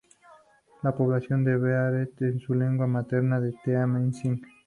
La población es Bereber, y su lengua materna el Tamazight.